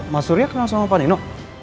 mas surya kenal sama pak nino